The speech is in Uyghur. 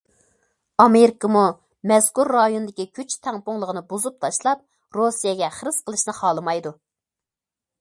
ئامېرىكىمۇ مەزكۇر رايوندىكى كۈچ تەڭپۇڭلۇقىنى بۇزۇپ تاشلاپ، رۇسىيەگە خىرىس قىلىشنى خالىمايدۇ.